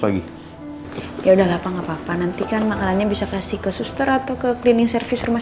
box lagi ya udah apa apa nanti kan makannya bisa kasih ke suster atau ke cleaning service rumah